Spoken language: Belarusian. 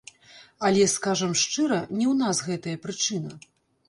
Але, скажам шчыра, не ў нас гэтая прычына.